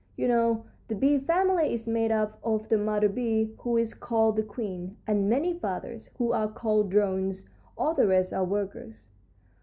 You know, the bee family is made up of the mother bee, who is called the queen, and many fathers, who are called drones; all the rest are workers."